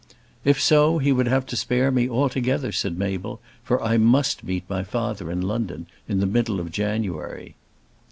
"If so he would have to spare me altogether," said Mabel, "for I must meet my father in London in the middle of January."